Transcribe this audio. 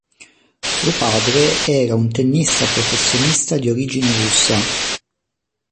Suo padre era un tennista professionista di origine russa.